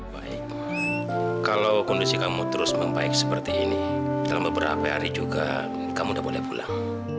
baik kalau kondisi kamu terus membaik seperti ini dalam beberapa hari juga kamu udah boleh pulang